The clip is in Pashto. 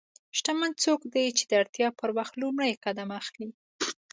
شتمن څوک دی چې د اړتیا پر وخت لومړی قدم اخلي.